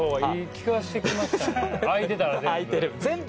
空いてたら全部。